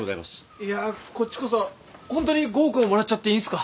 いやーこっちこそホントに５億ももらっちゃっていいんすか？